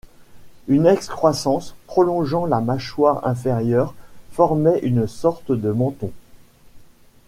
Une excroissance, prolongeant la mâchoire inférieure, formaient une sorte de menton.